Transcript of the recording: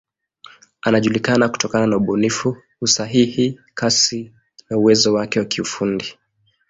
Anajulikana kutokana na ubunifu, usahihi, kasi na uwezo wake wa kiufundi.